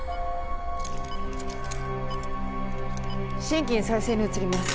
心筋再生に移ります。